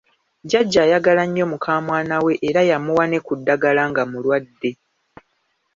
Jjajja ayagala nnyo mukamwana we era yamuwa ne ku ddagala nga mulwadde.